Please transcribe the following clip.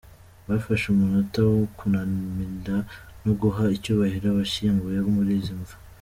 Bafashe umunota wo kunamira no guha icyubahiro abashyinguye muri izi mva.